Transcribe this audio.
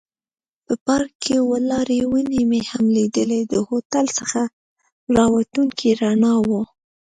په پارک کې ولاړې ونې مې هم لیدلې، د هوټل څخه را وتونکو رڼاوو.